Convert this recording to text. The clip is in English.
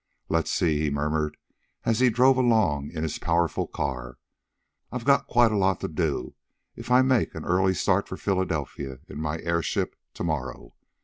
"Let's see," he murmured, as he drove along in his powerful car. "I've got quite a lot to do if I make an early start for Philadelphia, in my airship, to morrow.